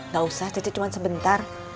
gak usah cuci cuma sebentar